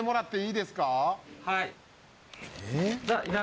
はい。